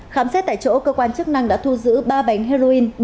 khám xét tại chỗ cơ quan chức năng đã thu giữ ba bánh heroin